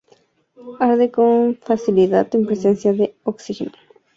Arde con facilidad en presencia de oxígeno, por lo que se usa como combustible.